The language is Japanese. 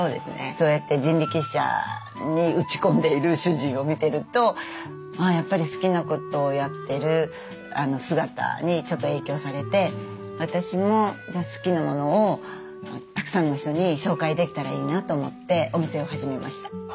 そうやって人力車に打ち込んでいる主人を見てるとまあやっぱり好きなことをやってる姿にちょっと影響されて私もじゃあ好きなものをたくさんの人に紹介できたらいいなと思ってお店を始めました。